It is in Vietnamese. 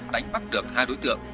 đánh bắt được hai đối tượng